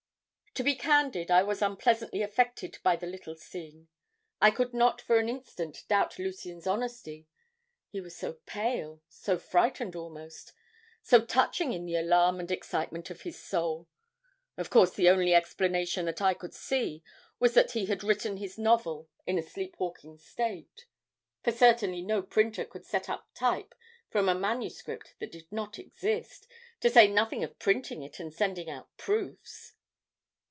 "To be candid, I was unpleasantly affected by the little scene. I could not for an instant doubt Lucien's honesty, he was so pale, so frightened almost so touching in the alarm and excitement of his soul. Of course the only explanation that I could see was that he had written his novel in a sleep walking state. "For certainly no printer could set up type from a manuscript that did not exist, to say nothing of printing it and sending out proofs.